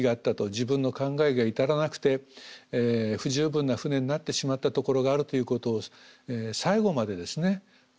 自分の考えが至らなくて不十分な船になってしまったところがあるということを最後までですね